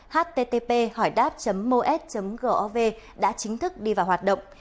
http hỏiđáp mos gov đã chính thức đi vào hoạt động